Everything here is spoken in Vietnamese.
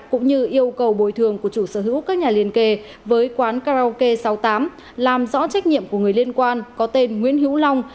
cũng như yêu cầu bồi thường của chủ sở hữu các nhà liên kề với quán karaoke sáu mươi tám làm rõ trách nhiệm của người liên quan có tên nguyễn hữu long